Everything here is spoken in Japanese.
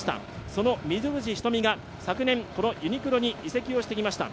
その水口瞳が昨年ユニクロに移籍をしてきました。